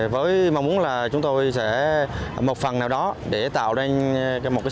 với mong muốn là chúng tôi sẽ một phần nào đó để tạo ra những bệnh nhân khó khăn